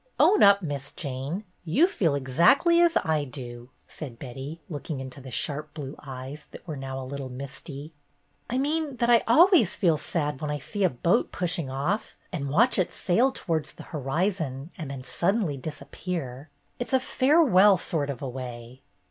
"Own up. Miss Jane, you feel exactly as I do," said Betty, looking into the sharp blue eyes that were now a little misty. "I mean that I always feel sad when I see a boat push ing off and watch it sail towards the horizon and then suddenly disappear. It 's a farewell sort of a way."